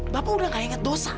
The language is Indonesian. bapak udah gak inget dosa